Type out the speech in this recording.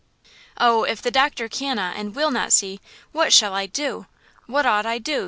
"Oh! if the doctor cannot and will not see, what shall I do? What ought I do?"